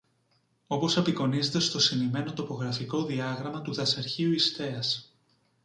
όπως απεικονίζεται στο συνημμένο τοπογραφικό διάγραμμα του Δασαρχείου Ιστιαίας